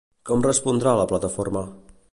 Com respondrà la plataforma?